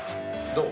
どう？